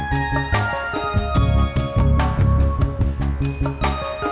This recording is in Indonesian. tadi janjianya masing masing langsung kesini